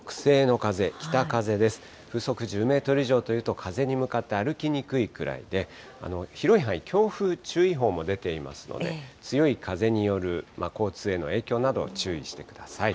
風速１０メートル以上というと、風に向かって歩きにくいくらいで、広い範囲、強風注意報も出ていますので、強い風による交通への影響など、注意してください。